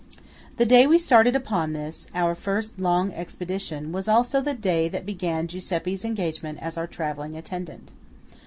7 The day we started upon this, our first long expedition, was also the day that began Giuseppe's engagement as our travelling attendant.